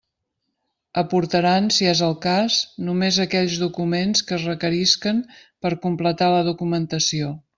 Aportaran, si és el cas, només aquells documents que es requerisquen per a completar la documentació.